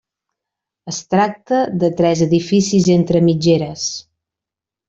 Es tracta de tres edificis entre mitgeres.